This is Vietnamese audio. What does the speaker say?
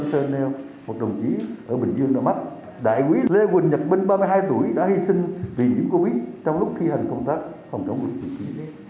trên nèo một đồng chí ở bình dương đã mắt đại quý lê quỳnh nhật minh ba mươi hai tuổi đã hy sinh vì nhiễm covid trong lúc thi hành công tác phòng chống lũy chiến sĩ